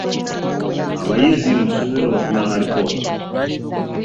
Abayizi mu ssomero bafuna alipoota.